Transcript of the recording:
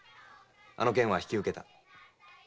あの件は引き受けた。